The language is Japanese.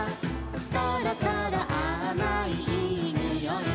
「そろそろあまいいいにおい」